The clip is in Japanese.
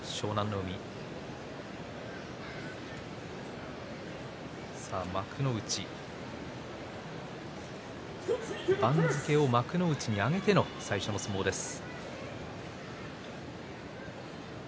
海、番付を幕内に上げての最初の相撲です。